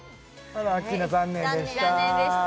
アッキーナ残念でした